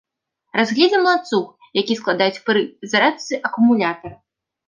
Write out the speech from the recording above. Разгледзім ланцуг, які складаюць пры зарадцы акумулятара.